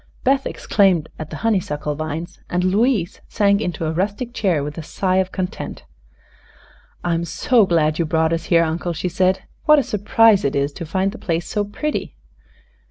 Beth exclaimed at the honeysuckle vines and Louise sank into a rustic chair with a sigh of content. "I'm so glad you brought us here. Uncle," she said. "What a surprise it is to find the place so pretty!"